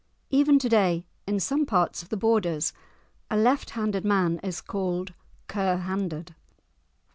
Even to day in some parts of the borders a left handed man is called "Ker handed."